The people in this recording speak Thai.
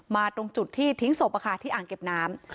มาตรงจุดที่ทิ้งโสประคาที่อ่างเก็บน้ำ